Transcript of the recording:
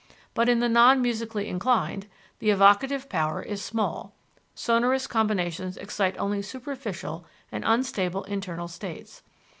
But, in the non musically inclined, the evocative power is small sonorous combinations excite only superficial and unstable internal states.